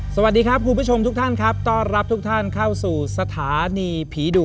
สวัสดีครับคุณผู้ชมทุกท่านครับต้อนรับทุกท่านเข้าสู่สถานีผีดุ